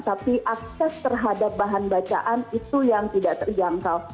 tapi akses terhadap bahan bacaan itu yang tidak terjangkau